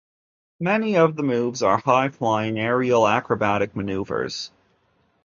Many of the moves are high-flying aerial acrobatic maneuvers.